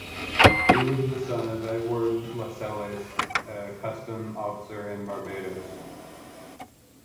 He was the son of Edward Lascelles, a customs officer in Barbados.